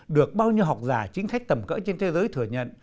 được bao nhiêu học giả chính khách tầm cỡ trên thế giới thừa nhận